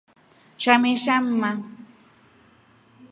Shamesha mma.